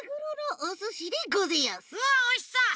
うわおいしそう！